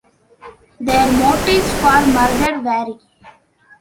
Their motives for murder vary.